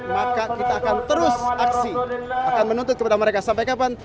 maka kita akan terus aksi akan menuntut kepada mereka sampai kapan